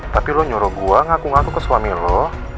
tapi lo nyuruh gua ngaku ngaku ke suami lo